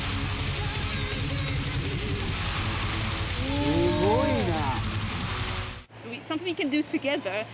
「すごいな！」